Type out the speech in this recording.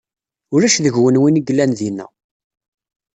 Ulac deg-sen win i yellan dina.